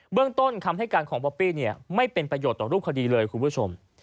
เรื่องต้นคำให้การของบ๊อปปี้ไม่เป็นประโยชน์ต่อรูปคดีเลยคุณผู้ชม